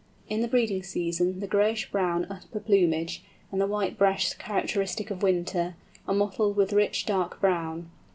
In the breeding season the grayish brown upper plumage, and the white breast characteristic of winter, are mottled with rich dark brown.